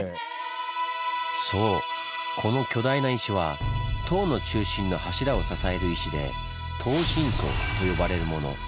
そうこの巨大な石は塔の中心の柱を支える石で「塔心礎」と呼ばれるもの。